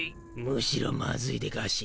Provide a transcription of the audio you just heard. むしろまずいでガシ。